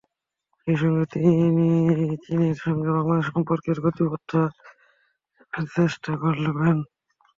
সেই সঙ্গে তিনি চীনের সঙ্গে বাংলাদেশের সম্পর্কের গতিপথটা জানার চেষ্টা করবেন।